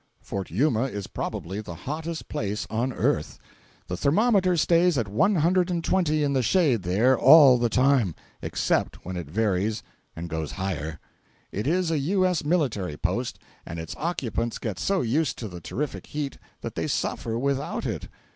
Fort Yuma is probably the hottest place on earth. The thermometer stays at one hundred and twenty in the shade there all the time—except when it varies and goes higher. It is a U.S. military post, and its occupants get so used to the terrific heat that they suffer without it.